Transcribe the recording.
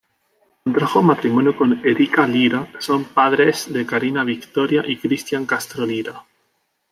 Contrajo matrimonio con Erica Lira son padres de Carina Victoria y Cristian Castro Lira.